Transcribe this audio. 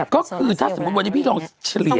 ก็คือถ้าสมมุติวันนี้พี่ลองเฉลี่ย